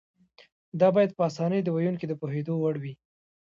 دا باید په اسانۍ د ویونکي د پوهېدو وړ وي.